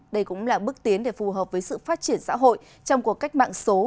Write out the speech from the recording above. đây cũng là bước tiến để phù hợp với sự phát triển xã hội trong cuộc cách mạng số